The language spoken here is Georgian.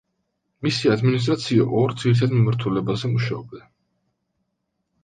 მისი ადმინისტრაცია ორ ძირითად მიმართულებაზე მუშაობდა.